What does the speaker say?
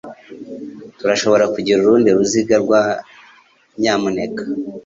Turashobora kugira urundi ruziga, nyamuneka?